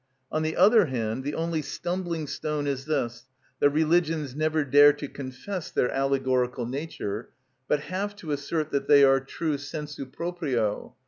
On the other hand, the only stumbling stone is this, that religions never dare to confess their allegorical nature, but have to assert that they are true sensu proprio.